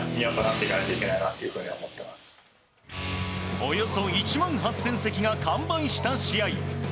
およそ１万８０００席が完売した試合。